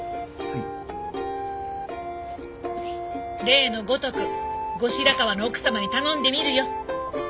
例のごとく後白河の奥様に頼んでみるよ。